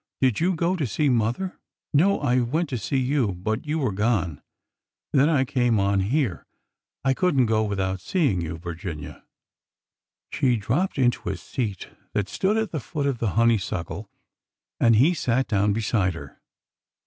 " Did you go to see mother ?"" No. I went to see you, but you were gone. Then I came on here. I could n't go without seeing you, Vir ginia." She dropped into a seat that stood at the foot of the honeysuckle, and he sat down beside her.